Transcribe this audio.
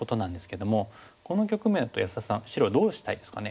この局面は安田さん白はどうしたいですかね？